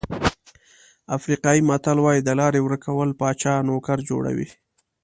افریقایي متل وایي د لارې ورکول پاچا نوکر جوړوي.